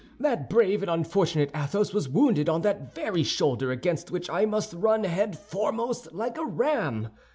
That brave and unfortunate Athos was wounded on that very shoulder against which I must run head foremost, like a ram.